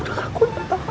udah gak kuat papa